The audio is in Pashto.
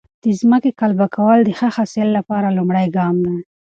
د ځمکې قلبه کول د ښه حاصل لپاره لومړی ګام دی.